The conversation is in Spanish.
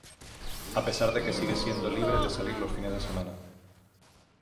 A pesar de que sigue siendo libre de salir los fines de semana.